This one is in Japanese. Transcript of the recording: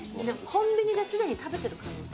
コンビニですでに食べてる可